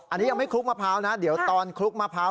อันนี้ยังไม่คลุกมะพร้าวนะเดี๋ยวตอนคลุกมะพร้าว